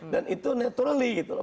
dan itu naturally gitu loh